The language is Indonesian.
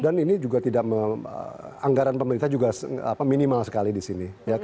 dan ini juga tidak anggaran pemerintah juga minimal sekali di sini